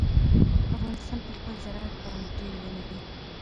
افغانستان په خپل زراعت باندې ډېر غني دی.